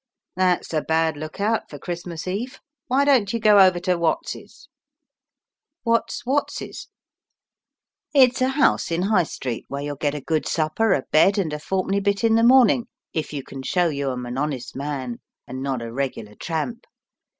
"That's a bad look out for Christmas eve. Why don't you go over to Watts's?" "What's Watts's?" "It's a house in High Street, where you'll get a good supper, a bed, and a fourpenny bit in the morning if you can show you'em an honest man, and not a regular tramp.